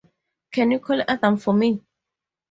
Can you call Adam for me?